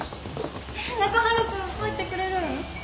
中原君入ってくれるん？